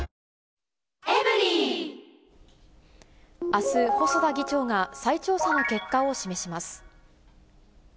あす、細田議長が再調査の結果を示します。